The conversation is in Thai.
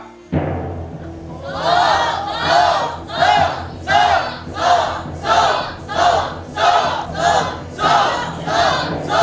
สู้